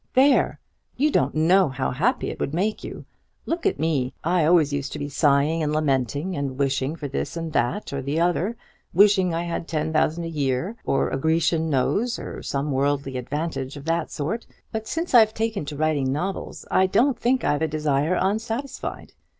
THERE! You don't know how happy it would make you. Look at me. I always used to be sighing and lamenting, and wishing for this, that, or the other: wishing I had ten thousand a year, or a Grecian nose, or some worldly advantage of that sort; but since I've taken to writing novels, I don't think I've a desire unsatisfied.